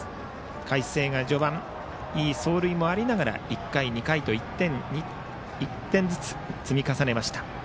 海星が序盤いい走塁もありながら１回、２回と１点ずつ積み重ねました。